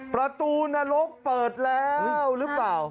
ประตูนรกเปิดแล้วหรือเปล่า